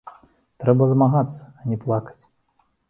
Трэба змагацца, а не плакаць!